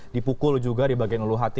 dipukul juga di bagian leluhati